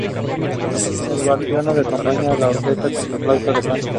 El barítono acompaña a la orquesta con su flauta de Pan.